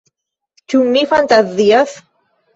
Ĉu mi fantazias?